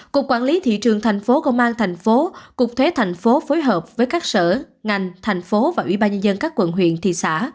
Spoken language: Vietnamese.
cục quản lý thị trường tp công an tp cục thuế tp phối hợp với các sở ngành thành phố và ubnd các quận huyện thị xã